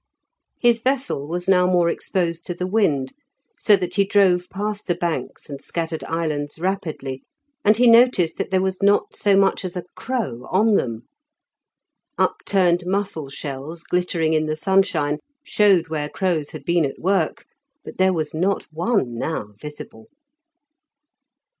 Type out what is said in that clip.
His vessel was now more exposed to the wind, so that he drove past the banks and scattered islands rapidly, and he noticed that there was not so much as a crow on them. Upturned mussel shells, glittering in the sunshine, showed where crows had been at work, but there was not one now visible.